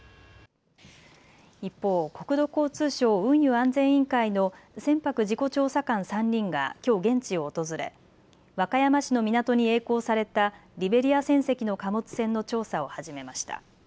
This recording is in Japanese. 一方、国土交通省運輸安全委員会の船舶事故調査官３人がきょう現地を訪れ、和歌山市の港にえい航されたリベリア船籍の貨物船の調査を始めました。